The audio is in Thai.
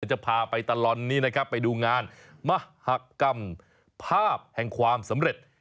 จะพาไปตลอดนี้นะครับไปดูงานมหากรรมภาพแห่งความสำเร็จ